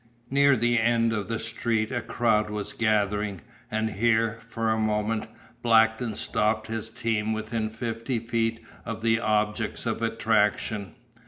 Near the end of the street a crowd was gathering, and here, for a moment, Blackton stopped his team within fifty feet of the objects of attraction.